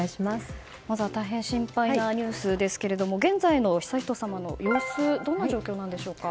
まずは大変心配なニュースですが現在の悠仁さまの様子どんな状況なんでしょうか？